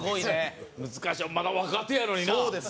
難しいよまだ若手やのになそうです